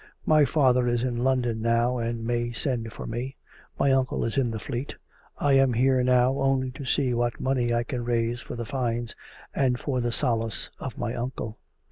My father is in London now and may send for me. My uncle is in the Fleet. I am here now only to see what money I can rais'e for the fines and for the solace of my uncle.